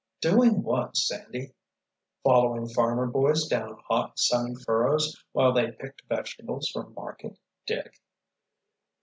"Doing what, Sandy?" "Following farmer boys down hot, sunny furrows while they picked vegetables for market, Dick."